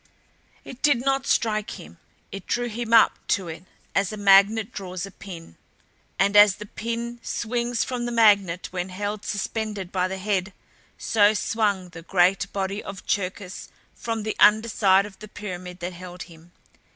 It did not strike him it drew him up to it as a magnet draws a pin. And as the pin swings from the magnet when held suspended by the head, so swung the great body of Cherkis from the under side of the pyramid that held him.